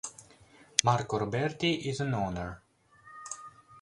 Marco Roberti is an owner.